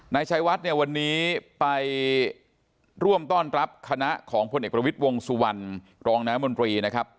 นายชัยวัดเนี่ยวันนี้ไปร่วมต้อนรับคณะของพลเอกประวิทย์วงสุวรรณรองน้ำมนตรีนะครับ